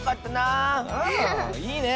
あいいね。